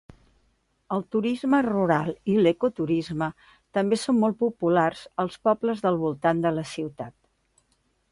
El turisme rural i l'eco-turisme també són molt populars als pobles del voltant de la ciutat.